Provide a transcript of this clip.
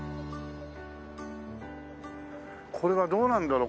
これはどうなんだろう？